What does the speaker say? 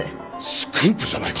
スクープじゃないか。